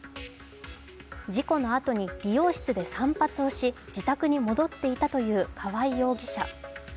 事故のあとに理容室で散髪をし、自宅に戻っていたという川合容疑者。